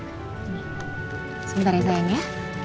nih sebentar ya sayang ya